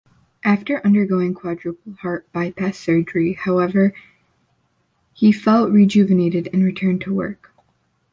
After undergoing quadruple heart bypass surgery, however, he felt rejuvenated, and returned to work.